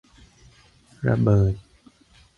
ระเบิด